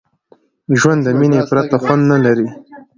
ژوند د میني پرته خوند نه لري.